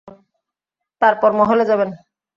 তারপর মহলে যাবেন।